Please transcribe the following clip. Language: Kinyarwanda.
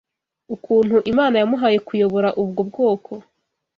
ukuntu Imana yamuhaye kuyobora ubwo bwoko